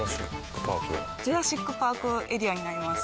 ジュラシック・パークエリアになります。